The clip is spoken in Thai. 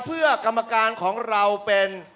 เพื่อกรรมการของเราเป็น